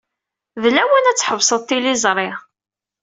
D lawan ad tḥebseḍ tiliẓri.